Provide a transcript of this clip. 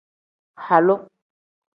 Halu.